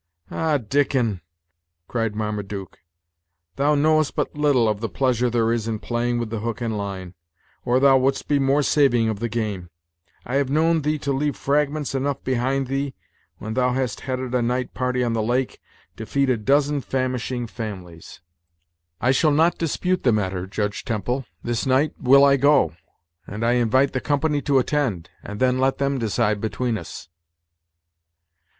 "Ah! Dickon," cried Marmaduke, "thou knowest but little of the pleasure there is in playing with the hook and line, or thou wouldst be more saving of the game. I have known thee to leave fragments enough behind thee, when thou hast headed a night party on the lake, to feed a dozen famishing families." "I shall not dispute the matter, Judge Temple; this night will I go; and I invite the company to attend, and then let them decide between us."